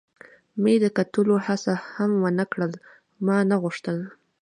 مې د کتلو هڅه هم و نه کړل، ما نه غوښتل.